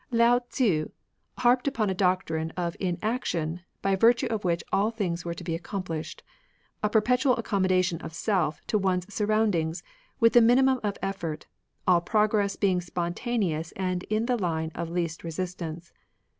Lao Tzu harped upon a doctrine of Inaction, by virtue of which all things were to be accompUshed, — a perpetual accommodation of self to one's surroundings, with the mmimum of effort, all progress being spontaneous and in the line of least resistance.